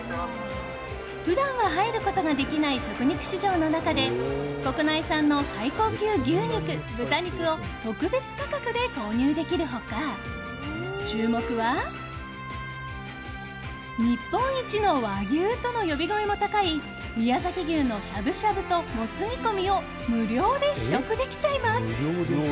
普段は入ることができない食肉市場の中で国内産の最高級牛肉・豚肉を特別価格で購入できる他、注目は日本一の和牛との呼び声も高い宮崎牛のしゃぶしゃぶとモツ煮込みを無料で試食できちゃいます。